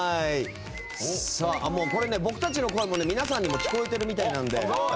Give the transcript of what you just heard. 僕たちの声も皆さんに聞こえてるみたいなので。